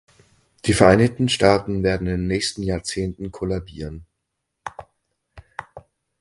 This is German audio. Die Vereinigten Staaten werden in den nächsten Jahrzehnten kollabieren.